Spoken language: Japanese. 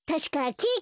ケーキ？